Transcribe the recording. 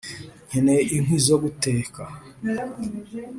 nkeneye inkwi zo guteka.